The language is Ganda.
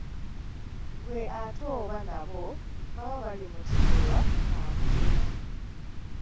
Ggwe ate oba nabo baba bali mu kikolwa kya butemu!